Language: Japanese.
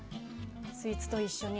スイーツと一緒に。